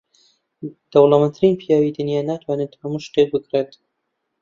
دەوڵەمەندترین پیاوی دنیا ناتوانێت هەموو شتێک بکڕێت.